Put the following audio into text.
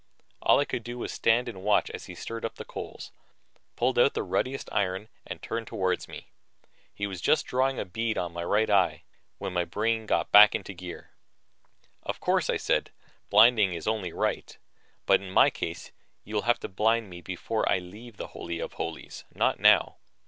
All I could do was stand and watch as he stirred up the coals, pulled out the ruddiest iron and turned toward me. He was just drawing a bead on my right eyeball when my brain got back in gear. "Of course," I said, "blinding is only right. But in my case you will have to blind me before I leave the Holy of Holies, not now.